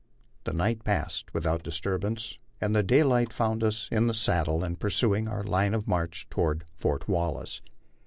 The night passed without disturbance, and daylight found us in the saddle and pursuing our line of march toward Fort Wallace.